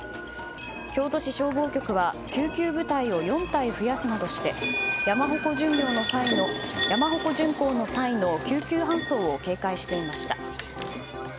京都市消防局は、救急部隊を４隊増やすなどして山鉾巡行の際の救急搬送を警戒していました。